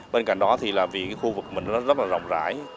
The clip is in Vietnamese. bên cạnh đó thì là vì khu vực mình rất là rộng rãi